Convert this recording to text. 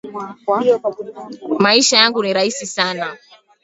Maisha yangu ni rahisi sana